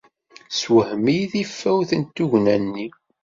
Tessewhem-iyi tifawt n tugna-nni.